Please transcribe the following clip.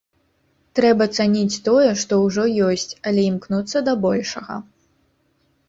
Трэба цаніць тое, што ўжо ёсць, але імкнуцца да большага.